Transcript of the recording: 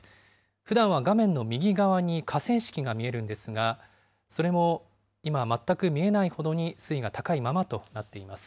ふだんは画面の右側に河川敷が見えるんですが、それも今は全く見えないほどに水位が高いままとなっています。